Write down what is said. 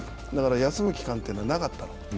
だから休む期間というのはなかった。